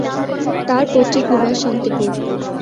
তার পৈতৃক নিবাস শান্তিপুর।